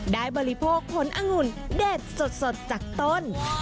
บริโภคผลอังุ่นเด็ดสดจากต้น